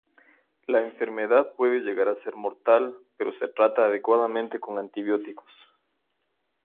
La enfermedad puede llegar a ser mortal, pero se trata adecuadamente con antibióticos.